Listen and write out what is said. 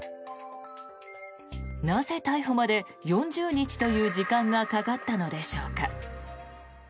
なぜ逮捕まで４０日という時間がかかったのでしょうか。